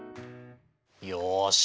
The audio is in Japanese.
よし。